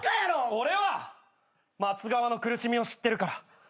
俺は待つ側の苦しみを知ってるから。